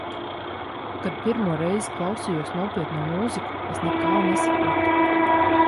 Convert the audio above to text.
Kad pirmo reizi klausījos nopietno mūziku, es nekā nesapratu.